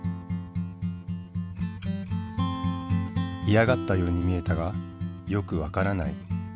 いやがったように見えたがよくわからない。